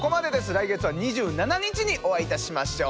来月は２７日にお会いいたしましょう。